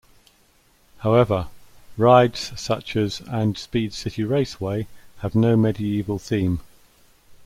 However, rides such as and Speed City Raceway have no medieval theme.